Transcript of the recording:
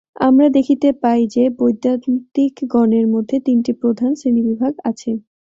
আমরা দেখিতে পাই যে, বৈদান্তিকগণের মধ্যে তিনটি প্রধান শ্রেণীবিভাগ আছে।